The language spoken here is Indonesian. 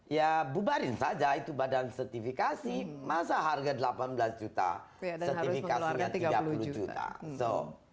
ya bubarin saja itu badan sertifikasi masa harga delapan belas juta sertifikasinya tiga puluh juta so